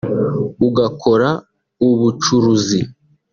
ugakora ubucuruzi